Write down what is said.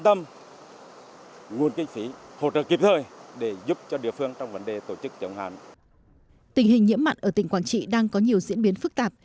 tình hình nhiễm mặn ở tỉnh quảng trị đang có nhiều diễn biến phức tạp